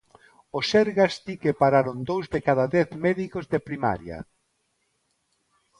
O Sergas di que pararon dous de cada dez médicos de Primaria.